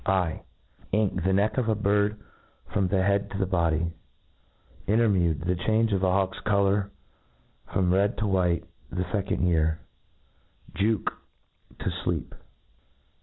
I Inke; the neck of any bird from the head to the body ' Intermewed; the change of a hawk's colour from red to white, the fecond year Jeuk (toj) tofleep.